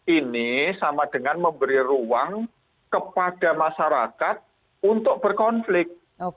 ini sama dengan memberi ruang kepada masyarakat untuk berkonflik